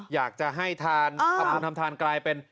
อยากจะให้ทานทำบุญทำทานกลายเป็น